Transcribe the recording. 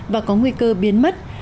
và có nguy cơ biến mất